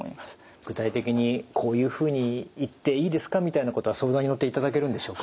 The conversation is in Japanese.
具体的にこういうふうに言っていいですかみたいなことは相談に乗っていただけるんでしょうか？